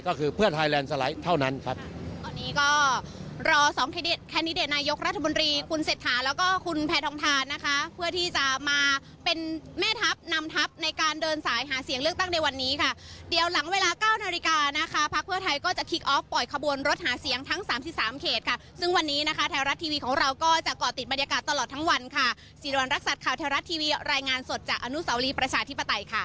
ก็คือเพื่อไทยแลนด์สไลด์เท่านั้นครับ